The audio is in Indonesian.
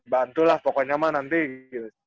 bantu lah pokoknya nanti